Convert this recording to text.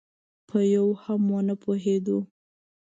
په یوه هم ونه پوهېدو.